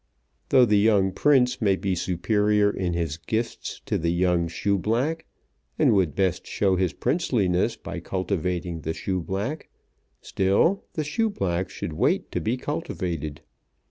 Though the young prince may be superior in his gifts to the young shoeblack, and would best show his princeliness by cultivating the shoeblack, still the shoeblack should wait to be cultivated.